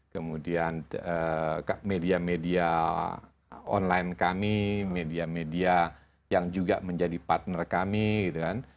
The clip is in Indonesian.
kemudian media media online kami media media yang juga menjadi partner kami gitu kan